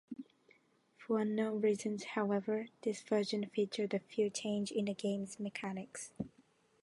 For unknown reasons however this version featured a few changes in the game's mechanics.